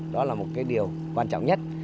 đó là một cái điều quan trọng nhất